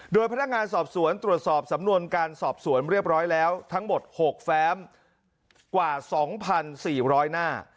โดยพนักงานสอบสวนตรวจสอบสำนวนการสอบสวนเรียบร้อยแล้วทั้งหมด๖แฟ้มกว่า๒๔๐๐หน้า